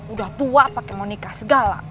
udah tua pake mau nikah segala